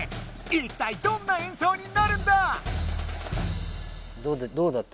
一体どんな演奏になるんだ⁉どうだった？